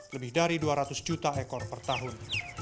lebih dari dua ratus juta ekor per tahun